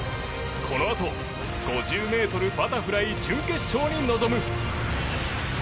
このあと５０ｍバタフライ準決勝に臨む。